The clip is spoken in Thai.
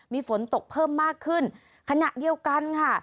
มีฝนตกเพิ่มมากขึ้นขณะเดียวกันค่ะ